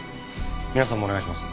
皆さんもお願いします。